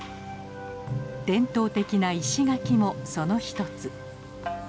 伝統的な石垣もその一つ。